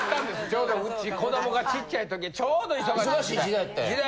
ちょうどうち子どもがちっちゃい時ちょうど忙しい時代。